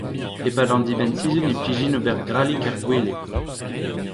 E-pad an dibenn-sizhun e plij din ober grallig er gwele.